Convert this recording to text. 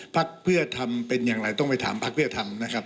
พักเพื่อทำเป็นอย่างไรต้องไปถามพักเพื่อทำนะครับ